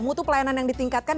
mutu pelayanan yang ditingkatkan